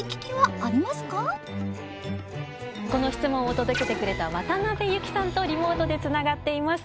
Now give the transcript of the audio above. この質問を届けてくれた渡邊優希さんとリモートでつながっています。